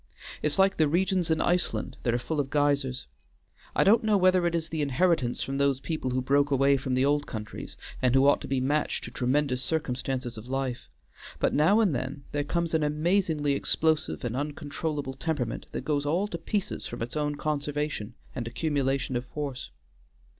It's like the regions in Iceland that are full of geysers. I don't know whether it is the inheritance from those people who broke away from the old countries, and who ought to be matched to tremendous circumstances of life, but now and then there comes an amazingly explosive and uncontrollable temperament that goes all to pieces from its own conservation and accumulation of force.